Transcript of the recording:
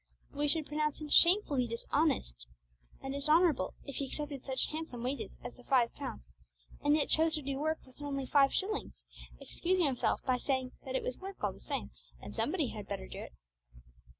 But we should pronounce him shamefully dishonest and dishonourable if he accepted such handsome wages as the five pounds, and yet chose to do work worth only five shillings, excusing himself by saying that it was work all the same, and somebody had better do it.